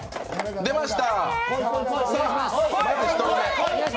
出ました！